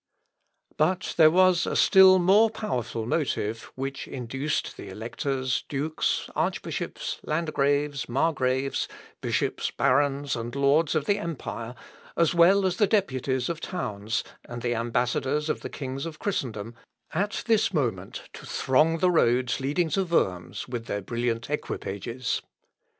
Sleidan, vol. i, p. 80. But there was a still more powerful motive which induced the electors, dukes, archbishops, landgraves, margraves, bishops, barons, and lords of the empire; as well as the deputies of towns, and the ambassadors of the kings of Christendom, at this moment, to throng the roads leading to Worms with their brilliant equipages.